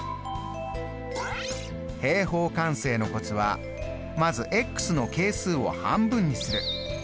平方完成のコツはまずの係数を半分にする。